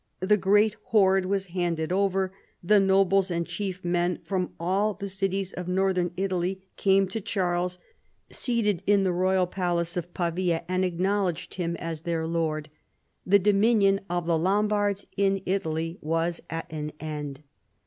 The great hoard was handed over, the nobles and chief men from all the cities of northern Italy came to Charles seated in the royal palace of Pavia, and acknowl FALL OF THE LOMBARD MONARCHY. I33 edcred hira ay their lord : the dominion of the Lorn bards in Italy was at an end.